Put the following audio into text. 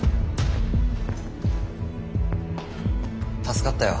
助かったよ。